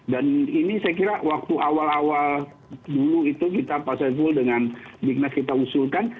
dan ini saya kira waktu awal awal dulu itu kita pak saiful dengan bimes kita usulkan